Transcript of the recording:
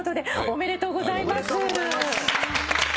ありがとうございます。